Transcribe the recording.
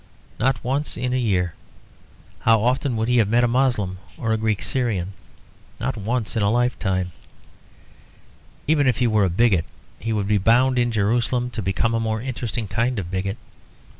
Not once in a year. How often would he have met a Moslem or a Greek Syrian? Not once in a lifetime. Even if he were a bigot, he would be bound in Jerusalem to become a more interesting kind of bigot.